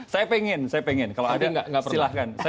saya pengen saya pengen kalau ada enggak silahkan